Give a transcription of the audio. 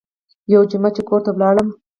يوه جمعه چې کور ته ولاړم.